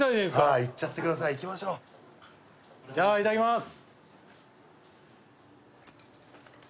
はいいっちゃってくださいいきましょうじゃあいただきます